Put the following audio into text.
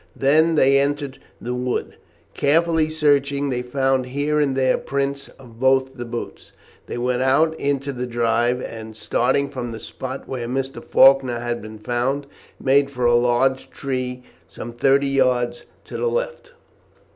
Then they entered the wood. Carefully searching, they found here and there prints of both the boots. They went out into the drive, and, starting from the spot where Mr. Faulkner had been found, made for a large tree some thirty yards to the left.